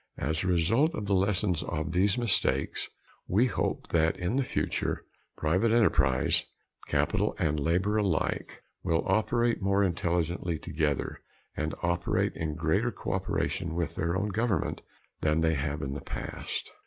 As a result of the lessons of all these mistakes we hope that in the future private enterprise capital and labor alike will operate more intelligently together, and operate in greater cooperation with their own government than they have in the past.